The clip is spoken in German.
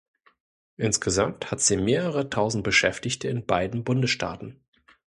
Insgesamt hat sie mehrere Tausend Beschäftigte in beiden Bundesstaaten.